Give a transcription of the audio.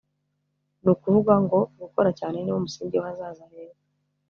ni ukuvuga ngo gukora cyane niwo musingi w’ahazaza heza